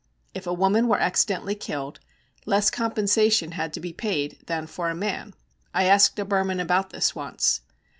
If a woman were accidentally killed, less compensation had to be paid than for a man. I asked a Burman about this once.